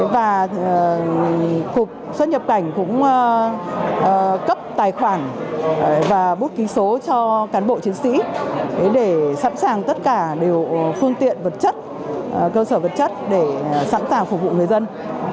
và cục xuất nhập cảnh cũng cấp tài khoản và bút ký số cho cán bộ chiến sĩ để sẵn sàng tất cả đều phương tiện vật chất cơ sở vật chất để sẵn sàng phục vụ người dân